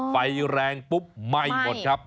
ไฟแรงปุ๊บไหม้หมดครับ